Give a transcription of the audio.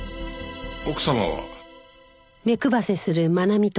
奥様は？